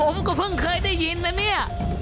ผมก็เพิ่งเคยได้ยินไหมเนี่ย